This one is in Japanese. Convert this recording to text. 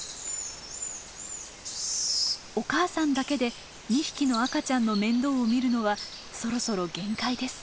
お母さんだけで２匹の赤ちゃんの面倒を見るのはそろそろ限界です。